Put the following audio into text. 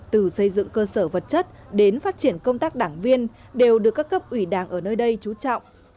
từ xây dựng cơ sở vật chất đến phát triển công tác đảng viên đều được các cấp ủy đảng ở nơi đây trú trọng